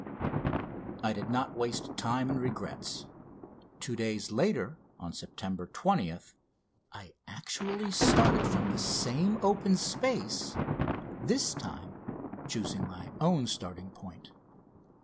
I did not waste time in regrets. Two days later, on September 20th, I actually started from the same open space, this time choosing my own starting point.